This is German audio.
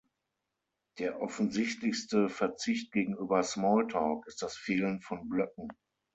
Der offensichtlichste Verzicht gegenüber Smalltalk ist das Fehlen von Blöcken.